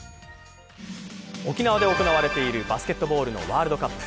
沖縄で行われているバスケットボールのワールドカップ。